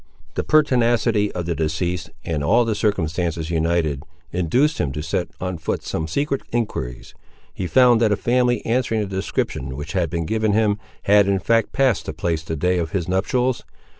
The pertinacity of the deceased, and all the circumstances united, induced him to set on foot some secret enquiries. He found that a family answering the description which had been given him, had in fact passed the place the day of his nuptials.